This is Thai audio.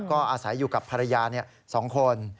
ก็อาศัยอยู่กับภรรยา๒คน